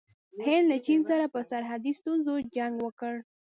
هند له چین سره په سرحدي ستونزه جنګ وکړ.